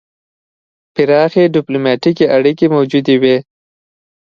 پراخې ډیپلوماتیکې اړیکې موجودې وې.